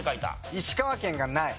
石川県がない。